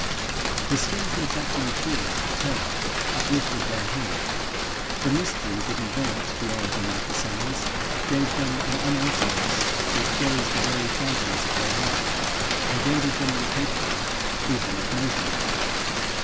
The skin contracting chill of terror uplifted their hair. The mystery that enveloped the origin of the sounds gave them an unearthliness which froze the very fountains of their life, and rendered them incapable even of motion.